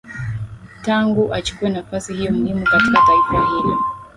tangu achukue nafasi hiyo muhimu katika taifa hilo